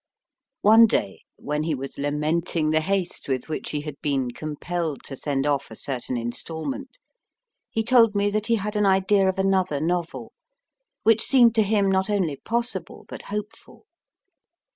One day, when he was lamenting the haste with which he had been compelled to send off a certain instalment, he told me that he had an idea of another novel, which seemed to him not only possible, but hopeful.